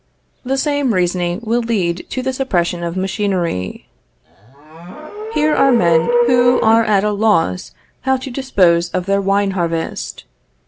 The same reasoning will lead to the suppression of machinery. Here are men who are at a loss how to dispose of their wine harvest.